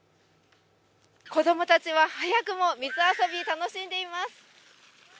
子供たちは早くも水遊び楽しんでいます。